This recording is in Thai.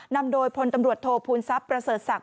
นำโดยพลตำรวจโทษภูมิทรัพย์ประเสริฐศักดิ